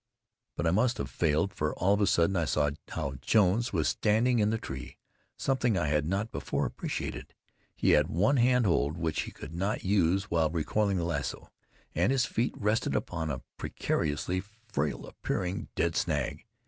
But I must have failed, for all of a sudden I saw how Jones was standing in the tree, something I had not before appreciated. He had one hand hold, which he could not use while recoiling the lasso, and his feet rested upon a precariously frail appearing, dead snag.